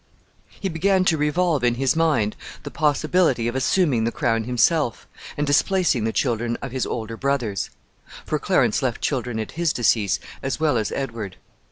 He began to revolve in his mind the possibility of assuming the crown himself, and displacing the children of his older brothers; for Clarence left children at his decease as well as Edward.